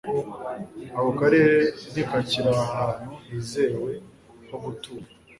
Ako karere ntikakiri ahantu hizewe ho gutura